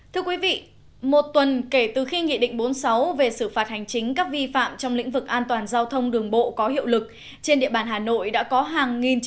sau một tuần thực hiện trên cả nước nói chung và địa bàn hà nội nói riêng